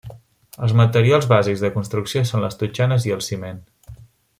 Els materials bàsics de construcció són les totxanes i el ciment.